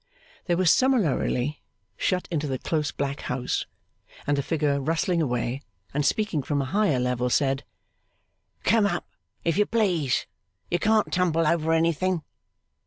They were summarily shut into the close black house; and the figure rustling away, and speaking from a higher level, said, 'Come up, if you please; you can't tumble over anything.